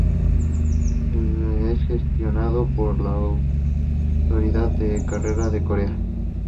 Es gestionado por la Autoridad de Carreras de Corea.